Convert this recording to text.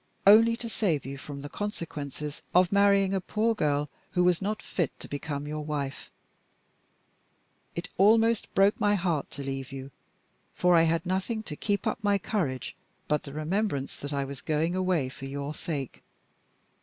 Only to save you from the consequences of marrying a poor girl who was not fit to become your wife. It almost broke my heart to leave you; for I had nothing to keep up my courage but the remembrance that I was going away for your sake.